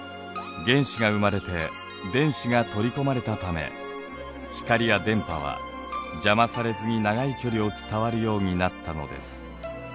原子が生まれて電子が取り込まれたため光や電波は邪魔されずに長い距離を伝わるようになったのです。